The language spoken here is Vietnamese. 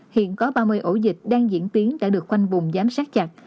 hiện có ba mươi ổ dịch đang diễn tiến đã được khoanh vùng giám sát chặt